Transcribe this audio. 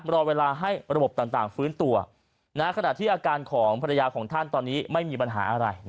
รอเวลาให้ระบบต่างฟื้นตัวขณะที่อาการของภรรยาของท่านตอนนี้ไม่มีปัญหาอะไร